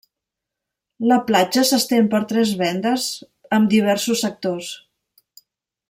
La platja s'estén per tres véndes amb diversos sectors.